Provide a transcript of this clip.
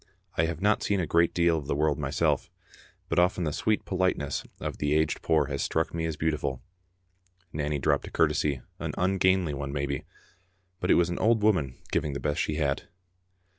I have not seen a great deal of the world myself, but often the sweet politeness of the aged poor has struck me as beautiful. Nanny dropped a curtesy, an ungainly one maybe, but it was an old woman giving the best she had.